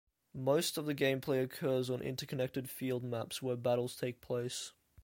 Most of the gameplay occurs on interconnected field maps where battles take place.